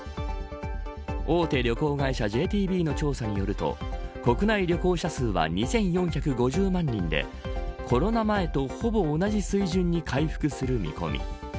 大手旅行会社ＪＴＢの調査によると国内旅行者数は２４５０万人でコロナ前とほぼ同じ水準に回復する見込み。